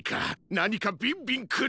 なにかビンビンくる！